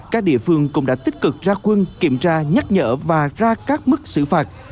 các địa phương cũng đã tích cực ra quân kiểm tra nhắc nhở và ra các mức xử phạt